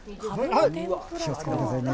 気をつけてくださいね。